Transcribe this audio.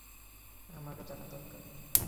আমারও জানা দরকার।